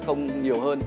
không nhiều hơn